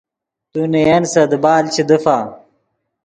تو نے ین سے دیبال چے دیفا